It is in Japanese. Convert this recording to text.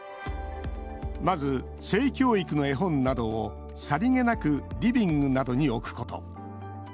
まず、性教育の絵本などをさりげなくリビングなどに置くこと。